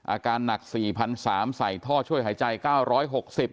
อาการหนัก๔๓๐๐ใส่ท่อช่วยหายใจ๙๖๐บาท